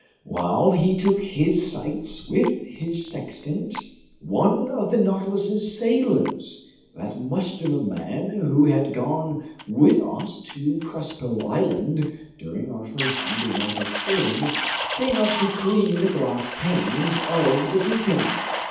While he took his sights with his sextant, one of the Nautilus's sailors—that muscular man who had gone with us to Crespo Island during our first underwater excursion—came up to clean the glass panes of the beacon.